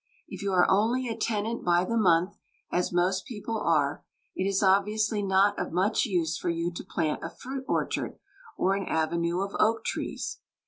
If you are only a tenant by the month, as most people are, it is obviously not of much use for you to plant a fruit orchard or an avenue of oak trees.